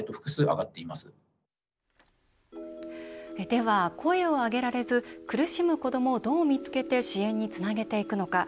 では、声を上げられず苦しむ子どもを、どう見つけて支援につなげていくのか。